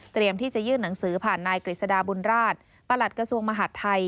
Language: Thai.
ที่จะยื่นหนังสือผ่านนายกฤษฎาบุญราชประหลัดกระทรวงมหาดไทย